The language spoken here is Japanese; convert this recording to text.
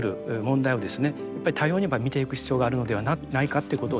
やっぱり多様に見ていく必要があるのではないかということをですね